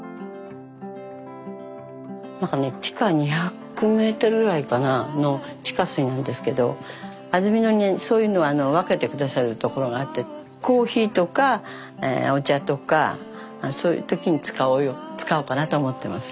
地下２００メートルぐらいの地下水なんですけど安曇野にそういうのを分けて下さるところがあってコーヒーとかお茶とかそういう時に使おうかなと思ってます。